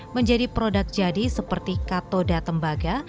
menjadi produk jadi seperti katoda tembaga